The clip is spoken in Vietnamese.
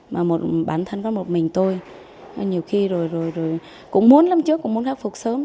mà một bản thân có một mình tôi nhiều khi rồi cũng muốn năm trước cũng muốn khắc phục sớm